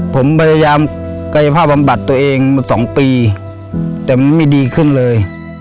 ผมพยายามกายภาพบำบัดตัวเองมา๒ปีแต่มันไม่ดีขึ้นเลย